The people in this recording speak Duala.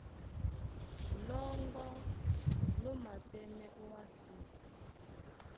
Lɔ́ŋgɔ́ ló matɛ́mɛ́ ówásē.